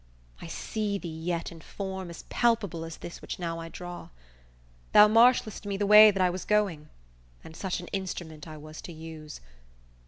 I see thee yet in form as palpable As this which now I draw. Thou marshal'st me the way that I was going; And such an instrument I was to use.